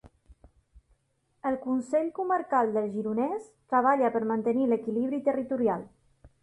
El Consell Comarcal del Gironès treballa per mantenir l'equilibri territorial.